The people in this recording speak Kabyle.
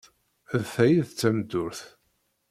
D ta i d tameddurt!